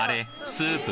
スープ？